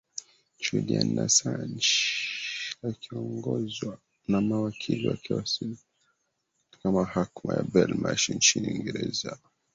julian nasanj akiongozwa na mawakili wakewaliwasili katika mahamakama ya bel mash nchini uingereza